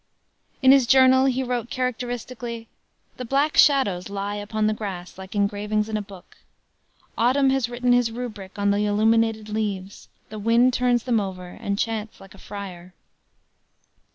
In his journal he wrote characteristically: "The black shadows lie upon the grass like engravings in a book. Autumn has written his rubric on the illuminated leaves, the wind turns them over and chants like a friar."